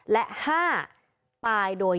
และ๕ตายโดย